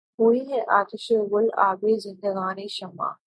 ہوئی ہے آتشِ گُل آبِ زندگانیِ شمع